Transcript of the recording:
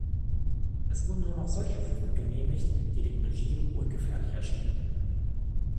Es wurden nur noch solche Filme genehmigt, die dem Regime ungefährlich erschienen.